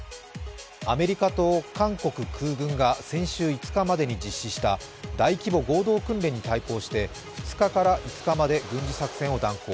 アメリカと韓国空軍が先週５日までに実施した大規模合同訓練に対抗して２日から５日まで軍事作戦を断行。